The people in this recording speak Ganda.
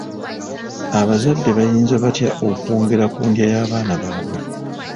Abazadde bayinza batya okwongera ku ndya y'abaana baabwe?